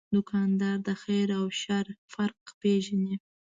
دوکاندار د خیر او شر فرق پېژني.